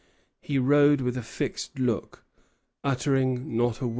He rode with a fixed look, uttering not a word.